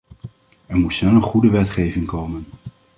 Er moet snel een goede wetgeving komen.